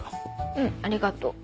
うんありがとう。